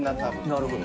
なるほど。